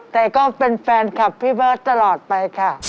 แต่ก็เป็นแฟนคลับพี่เบิร์ตตลอดไปค่ะ